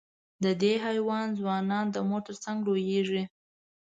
د دې حیوان ځوانان د مور تر څنګ لویېږي.